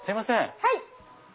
はい。